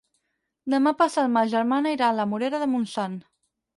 Demà passat ma germana irà a la Morera de Montsant.